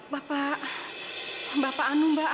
bapak bapak anu mbak